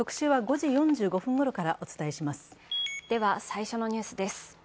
最初のニュースです。